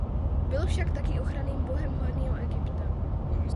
Byl však taky ochranným bohem Horního Egypta.